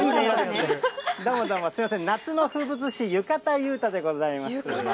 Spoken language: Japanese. どうもどうも、すみません、夏の風物詩、浴衣裕太でございます。